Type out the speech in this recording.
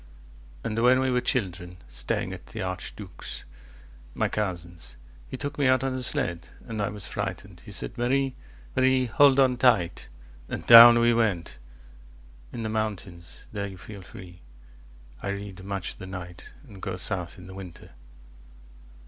And when we were children, staying at the archduke's, My cousin's, he took me out on a sled, And I was frightened. He said, Marie, 15 Marie, hold on tight. And down we went. In the mountains, there you feel free. I read, much of the night, and go south in the winter.